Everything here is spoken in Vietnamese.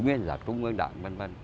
nguyên là trung ương đảng v v